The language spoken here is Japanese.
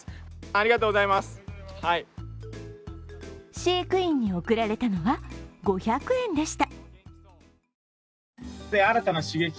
飼育員に送られたのは５００円でした。